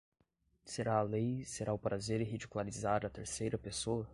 Será a lei, será o prazer ridicularizar a terceira pessoa?